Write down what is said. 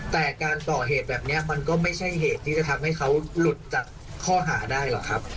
แต่การก่อเหตุแบบนี้มันก็ไม่ใช่เหตุที่จะทำให้เขาหลุดจากข้อหาได้หรอกครับ